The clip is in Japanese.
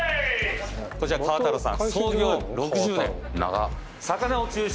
こちら「河太郎」さん。